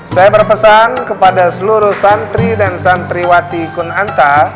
saya berpesan kepada seluruh santri dan santriwati kunanta